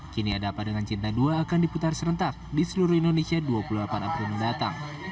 kini ada apa dengan cinta dua akan diputar serentak di seluruh indonesia dua puluh delapan april mendatang